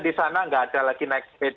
di sana nggak ada lagi naik sepeda